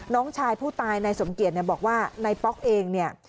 น้องชายผู้ตายในสมเกียรบอกว่าในป๊อกเองเนี่ย